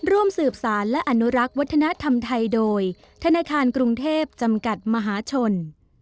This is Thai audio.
ร่วมสืบสารและอนุรักษ์วัฒนธรรมไทยโดยธนาคารกรุงเทพจำกัดมหาชน